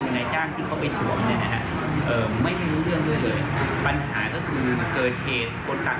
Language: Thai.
ที่จะศึกษุใหญ่เบือกว่ามีส่วนเกี่ยวข้อง